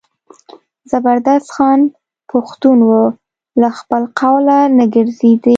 زبردست خان پښتون و له خپله قوله نه ګرځېدی.